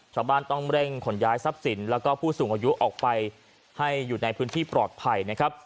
ชาวบ้านต้องเร่งขนย้ายทรัพย์สินแล้วก็ผู้สูงอายุออกไปให้อยู่ในพื้นที่ปลอดภัยนะครับ